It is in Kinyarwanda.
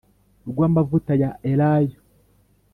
rw amavuta ya elayo